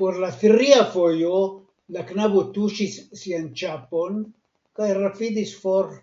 Por la tria fojo la knabo tuŝis sian ĉapon kaj rapidis for.